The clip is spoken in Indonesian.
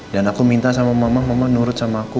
dan aku minta sama mama mama nurut sama aku